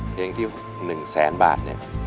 เพลงที่๑แสนบาท